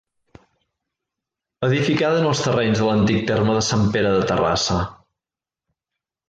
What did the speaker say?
Edificada en els terrenys de l'antic terme de Sant Pere de Terrassa.